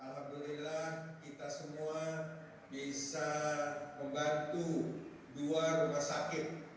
alhamdulillah kita semua bisa membantu dua rumah sakit